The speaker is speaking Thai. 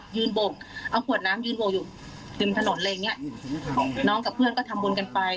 โบกเอาขวดน้ำยืนโบกอยู่ริมถนนอะไรอย่างเงี้ยน้องกับเพื่อนก็ทำบุญกันไป